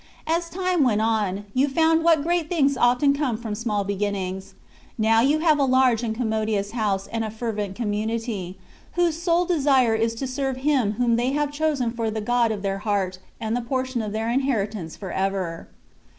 As time went on, you found what great things often come from small beginnings. Now you have a large and commodious house and a fervent community, whose sole desire is to serve Him whom they have chosen for " the God of their heart, and the portion of their inheritance for ever.